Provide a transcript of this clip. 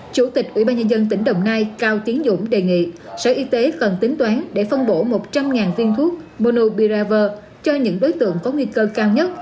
chủ tịch ubnd tỉnh đồng nai cao tiến dũng đề nghị sở y tế cần tính toán để phân bổ một trăm linh viên thuốc monobiraver cho những đối tượng có nguy cơ cao nhất